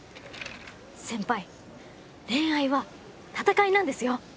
先輩恋愛は戦いなんですよ。